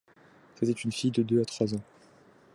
C’était une fille de deux à trois ans.